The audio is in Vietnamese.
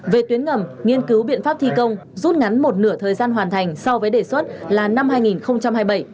về tuyến ngầm nghiên cứu biện pháp thi công rút ngắn một nửa thời gian hoàn thành so với đề xuất là năm hai nghìn hai mươi bảy